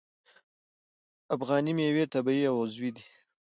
افغاني میوې طبیعي او عضوي دي.